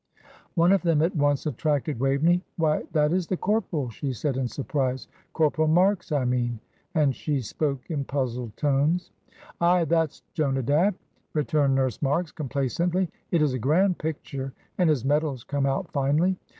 One of them at once attracted Waveney. "Why, that is the corporal," she said, in surprise. "Corporal Marks, I mean;" and she spoke in puzzled tones. "Aye, that's Jonadab," returned Nurse Marks, complacently. "It is a grand picture, and his medals come out finely.